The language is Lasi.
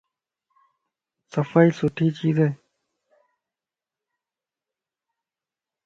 صفائي سٺي چيز ائي